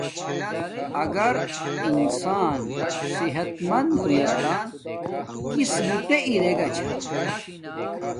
اگر انسان صحت مند ہویا تا کس بوٹے ارا گا چھا